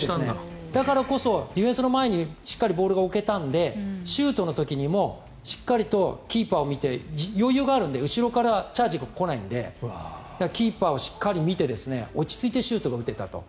だからこそ、ディフェンスの前にしっかりボールが置けたのでシュートの時にもしっかりとキーパーを見て余裕があるので後ろからチャージが来ないのでキーパーをしっかり見て落ち着いてシュートを打てたと。